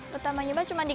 pertama nyoba cuma berjalan